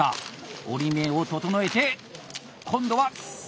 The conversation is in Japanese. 折り目を整えて今度は成功！